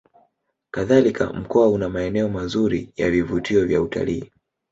Kadhalika Mkoa una maeneo mazuri ya vivutio vya utalii